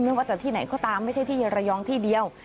ไม่ว่าจะที่ไหนก็ตามไม่ใช่ที่ระยองที่เดียว